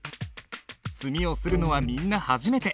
墨を磨るのはみんな初めて。